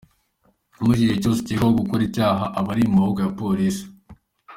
Muri icyo gihe cyose ukekwaho gukora icyaha aba ari mu maboko ya Polisi.